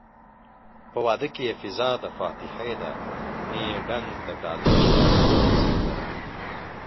په واده کې يې فضادفاتحې ده نه يې ډنګ دډاله شته نه يې سندره